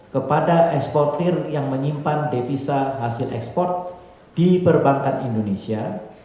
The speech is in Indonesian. kepada eksportir yang menyimpan devisa hasil ekspor di perbankan indonesia